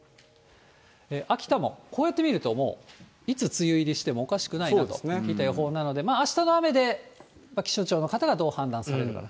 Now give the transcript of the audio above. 秋田も、こうやって見るともう、いつ梅雨入りしてもおかしくないなといった予報なので、あしたの雨で気象庁の方がどう判断されるか。